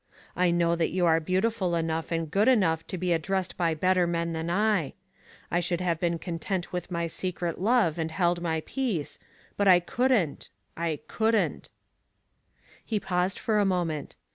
I know that you are beautiful enough and good enough to be addressed by better men than L I should have been content with my secret love and held my peace. But I couldn't — I couldn't. He paused for a moment.